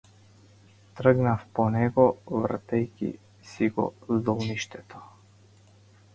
Тргнав по него, вртејќи си го здолништето.